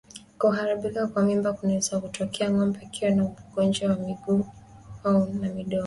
Kuharibika kwa mimba kunaweza kutokea ngombe akiwa na ugonjwa wa miguu na midomo